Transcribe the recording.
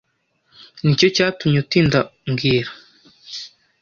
Nicyo cyatumye utinda mbwira